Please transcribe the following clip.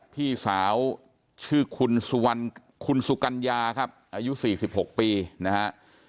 พี่สาวชื่อคุณสุกัญญาครับอายุ๔๖ปีนะฮะ